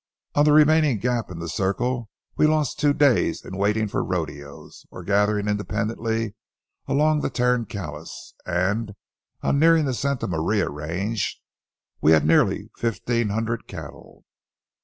On the remaining gap in the circle we lost two days in waiting for rodeos, or gathering independently along the Tarancalous, and, on nearing the Santa Maria range, we had nearly fifteen hundred cattle.